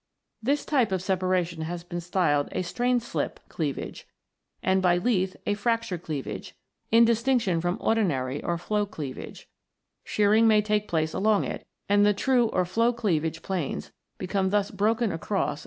This type of separation has been styled a strain slip cleavage, and by Leith a, fracture cleavage, in distinc tion from ordinary or flow cleavage. Shearing may iv] CLAYS, SHALES, AND SLATES 93 take place along it, and the true or flow cleavage planes become thus broken across and faulted. Fig.